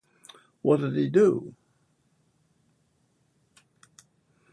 What'd he do?